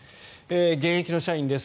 現役の社員です。